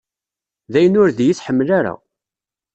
Dayen ur d-iyi-tḥemmel ara.